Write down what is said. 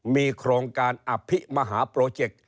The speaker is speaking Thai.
มีโครงการอภิมหาโปรเจกต์